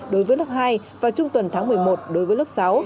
đối với lớp hai và trung tuần tháng một mươi một đối với lớp sáu